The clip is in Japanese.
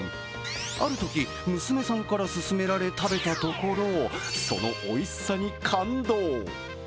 あるとき、娘さんから薦められ食べたところそのおいしさに感動。